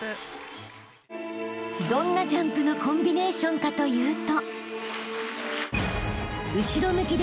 ［どんなジャンプのコンビネーションかというと］